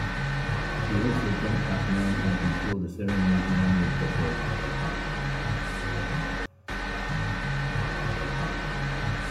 He also dreamt up man, and he saw the ceremonies man would perform.